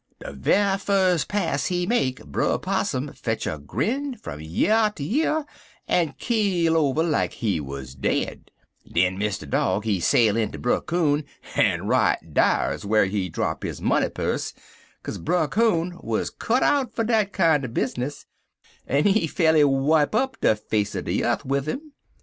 De ve'y fus pas he make Brer Possum fetch a grin fum year ter year, en keel over like he wuz dead. Den Mr. Dog, he sail inter Brer Coon, en right dar's whar he drap his money purse, kaze Brer Coon wuz cut out fer dat kinder bizness, en he fa'rly wipe up de face er de yeth wid 'im.